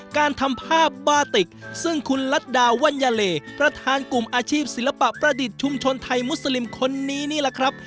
การทำภาพบาติกซึ่งคุณลัดดาวัญญาเลประธานกลุ่มอาชีพศิลปะประดิษฐ์ชุมชนไทยมุสลิมคนนี้นี่แหละครับ